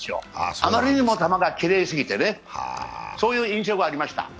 あまりにも球がきれいすぎてね、そういう印象がありました。